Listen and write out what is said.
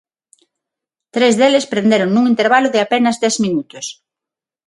Tres deles prenderon nun intervalo de apenas dez minutos.